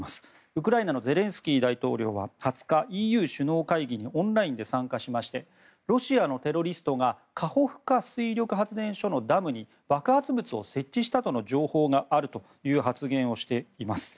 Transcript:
ウクライナのゼレンスキー大統領は２０日ＥＵ首脳会談にオンラインで参加しましてロシアのテロリストがカホフカ水力発電所のダムに爆発物を設置したとの情報があるという発言をしています。